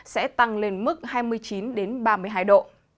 sẽ tăng lên mức hai mươi chín ba mươi hai độ